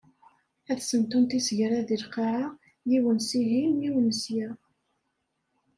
Ad sentunt isegra deg lqaɛa, yiwen sihin, yiwen sya.